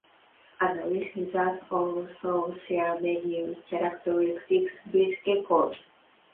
Anolis lizards also share many characteristics with geckos.